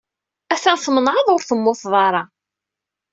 Atan tmenɛeḍ ur temmuteḍ ara.